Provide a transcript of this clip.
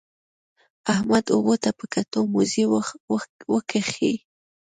احمد اوبو ته په کتو؛ موزې وکښې.